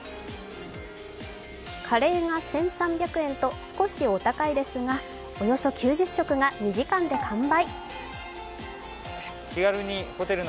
カレーが１３００円と、少しお高いですが、およそ９０食が２時間で完売。